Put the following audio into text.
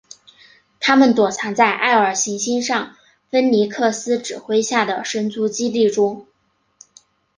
他们躲藏在艾尔行星上芬尼克斯指挥下的神族基地中。